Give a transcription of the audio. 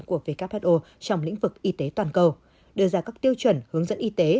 của who trong lĩnh vực y tế toàn cầu đưa ra các tiêu chuẩn hướng dẫn y tế